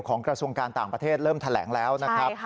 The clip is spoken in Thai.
กระทรวงการต่างประเทศเริ่มแถลงแล้วนะครับ